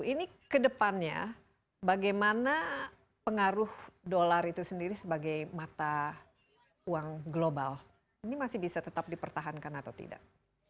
ini kedepannya bagaimana pengaruh dolar itu sendiri sebagai mata uang global ini masih bisa tetap dipertahankan atau tidak